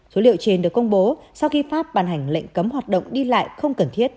số liệu trên được công bố sau khi pháp ban hành lệnh cấm hoạt động đi lại không cần thiết